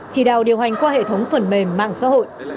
chỉ đạo điều hành qua hệ thống phần mềm mạng xã hội